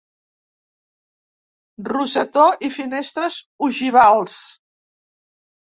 Rosetó i finestres ogivals.